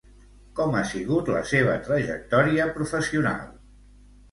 Com ha sigut la seva trajectòria professional?